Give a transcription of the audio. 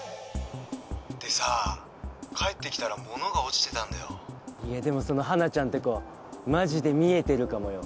「でさ帰ってきたらものが落ちてたんだよ」でもその華ちゃんって子マジで見えてるかもよ。